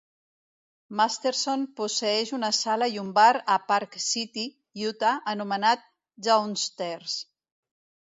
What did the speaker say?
Masterson posseeix una sala i un bar a Park City, Utah, anomenat "Downstairs".